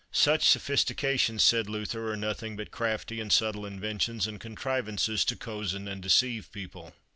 Such sophistications, said Luther, are nothing but crafty and subtle inventions and contrivances to cozen and deceive people.